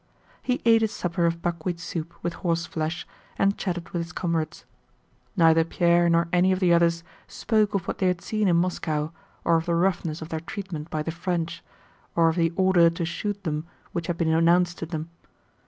He ate his supper of buckwheat soup with horseflesh and chatted with his comrades. Neither Pierre nor any of the others spoke of what they had seen in Moscow, or of the roughness of their treatment by the French, or of the order to shoot them which had been announced to them.